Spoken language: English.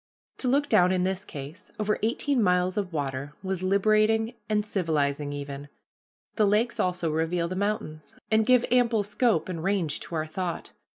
To look down, in this case, over eighteen miles of water was liberating and civilizing even. The lakes also reveal the mountains, and give ample scope and range to our thought.